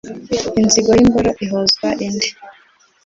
inzigo y'imboro ihozwa indi